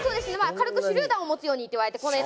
軽く手榴弾を持つようにって言われてこの辺。